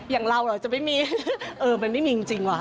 อย่างเราเหรอจะไม่มีเออมันไม่มีจริงว่ะ